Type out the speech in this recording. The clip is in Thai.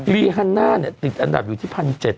ลีฮันน่าเนี่ยติดอันดับอยู่ที่๑๗๒๙